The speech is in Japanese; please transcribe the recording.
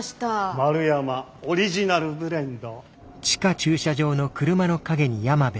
丸山オリジナルブレンド。